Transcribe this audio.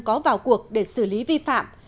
có vào cuộc để xử lý vi phạm